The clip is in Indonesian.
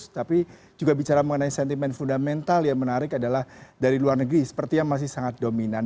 tapi juga bicara mengenai sentimen fundamental yang menarik adalah dari luar negeri sepertinya masih sangat dominan